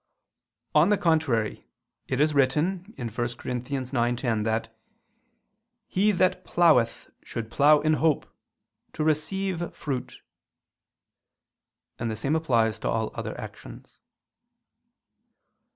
On the contrary, It is written (1 Cor. 9:10) that "he that plougheth should plough in hope ... to receive fruit": and the same applies to all other actions.